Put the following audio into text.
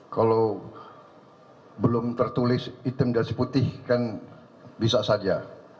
kalau belum tertulis hitam dan seputih kan bisa saja